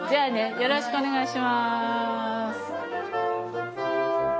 よろしくお願いします。